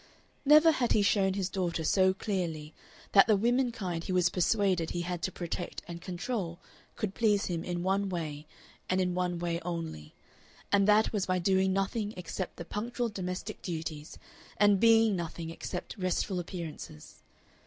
Never had he shown his daughter so clearly that the womenkind he was persuaded he had to protect and control could please him in one way, and in one way only, and that was by doing nothing except the punctual domestic duties and being nothing except restful appearances.